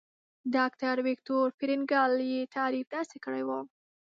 ډاکټر ويکټور فرېنکل يې تعريف داسې کړی وو.